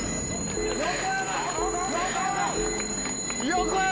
横山！